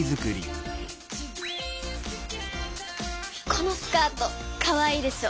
このスカートかわいいでしょ。